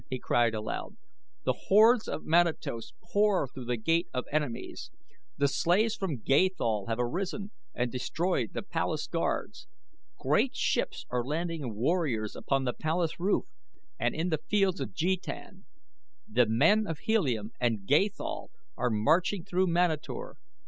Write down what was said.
he cried aloud. "The hordes of Manatos pour through The Gate of Enemies. The slaves from Gathol have arisen and destroyed the palace guards. Great ships are landing warriors upon the palace roof and in the Fields of Jetan. The men of Helium and Gathol are marching through Manator.